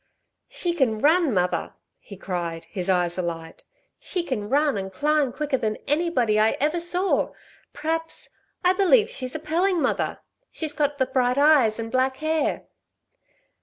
"She can run, mother!" he cried, his eyes alight. "She can run and climb quicker than anybody I ever saw. P'raps I believe she's a Pelling, mother! She's got the bright eyes and black hair."